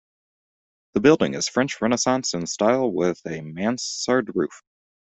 The building is French Renaissance in style with a mansard roof.